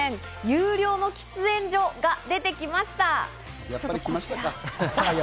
有料の喫煙所が出てきました。